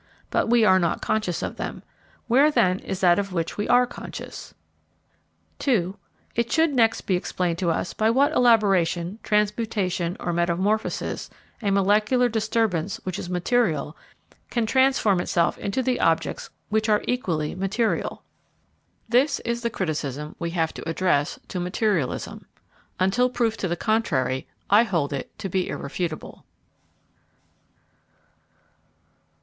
But we are not conscious of them. Where, then, is that of which we are conscious? (2) It should next be explained to us by what elaboration, transmutation, or metamorphosis a molecular disturbance, which is material, can transform itself into the objects which are equally material. This is the criticism we have to address to materialism. Until proof to the contrary, I hold it to be irrefutable.